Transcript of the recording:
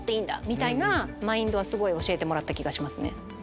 みたいなマインドは教えてもらった気がします。